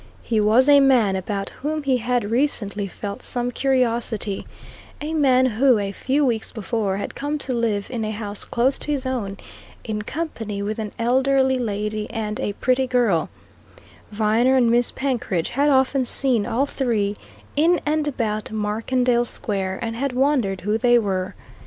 He was a man about whom he had recently felt some curiosity, a man who, a few weeks before, had come to live in a house close to his own, in company with an elderly lady and a pretty girl; Viner and Miss Penkridge had often seen all three in and about Markendale Square, and had wondered who they were.